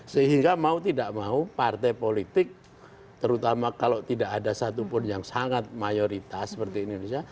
sehingga mau tidak mau partai politik terutama kalau tidak ada satupun yang sangat mayoritas seperti indonesia